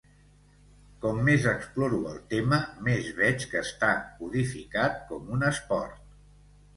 Com més exploro el tema, més veig que està codificat com un esport.